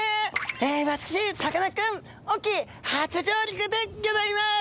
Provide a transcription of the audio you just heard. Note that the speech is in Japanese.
私さかなクン隠岐初上陸でギョざいます。